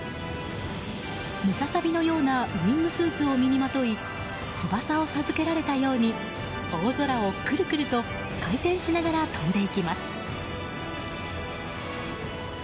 ムササビのようなウィングスーツを身にまとい翼を授けられたように大空をくるくると回転しながら飛んでいきます。